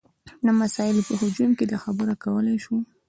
د مسایلو په هجوم کې دا خبره کولی شي.